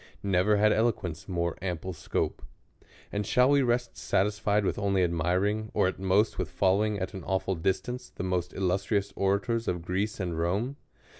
Never had eloquence more ample scope. And shall we rest satisfied with only admiring, or *at most with following at an awful distance, the most illustrious orators of Greece and Rome